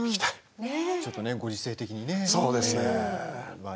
ちょっとご時世的にね。